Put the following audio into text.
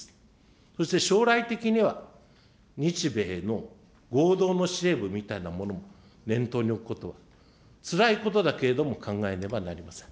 そして、将来的には日米の合同の司令部みたいなものも念頭に置くこと、つらいことだけれども、考えねばなりません。